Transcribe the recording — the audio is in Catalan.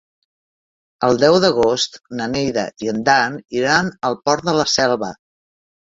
El deu d'agost na Neida i en Dan iran al Port de la Selva.